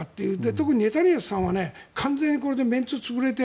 特にネタニヤフさんは完全にこれでメンツが潰れて